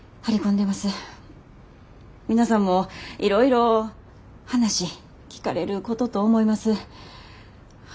皆さんもいろいろ話聞かれることと思います。